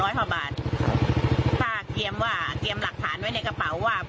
ถ้าเตรียมว่าเตรียมหลักฐานไว้ในกระเป๋าว่า